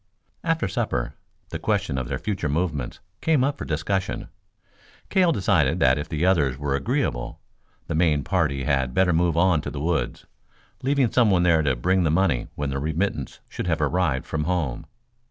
After supper the question of their future movements came up for discussion. Cale decided that if the others were agreeable, the main party had better move on to the woods, leaving someone there to bring the money when the remittance should have arrived from home.